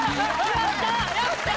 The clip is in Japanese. やった！